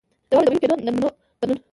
د واورو د وېلې کېدو د نمونو بدلون.